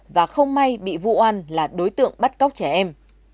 và không may bị vụ an là đối tượng bắt cóc trẻ em